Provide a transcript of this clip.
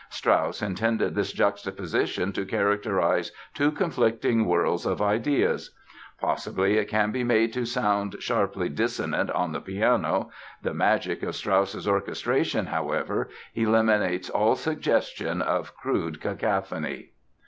Strauss intended this juxtaposition to characterize "two conflicting worlds of ideas". Possibly it can be made to sound sharply dissonant on the piano; the magic of Strauss's orchestration, however, eliminates all suggestion of crude cacophony.